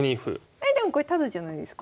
えでもこれタダじゃないですか。